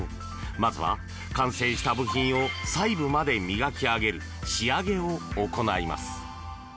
まずは完成した部品を細部まで磨き上げる仕上げを行います。